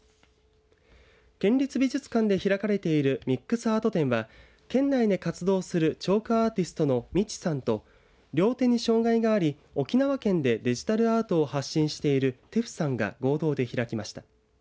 県立美術館で開かれているＭＩＸアート展は県内で活動するチョークアーティストのＭｉｃｈｉさんと両手に障害があり沖縄県でデジタルアートを発信しているＴｅｆｕさんが合同で開きました。